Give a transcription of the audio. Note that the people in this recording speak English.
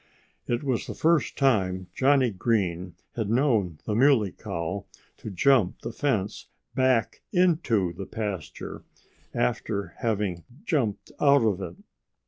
It was the first time Johnnie Green had known the Muley Cow to jump the fence back into the pasture, after jumping out of it.